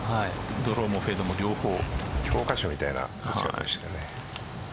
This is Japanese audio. ドローもフェードも両方教科書みたいな持ち方。